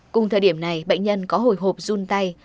cùng thời điểm này bệnh nhân có hồi hộp run tay